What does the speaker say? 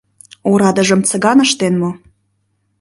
— Орадыжым Цыган ыштен мо?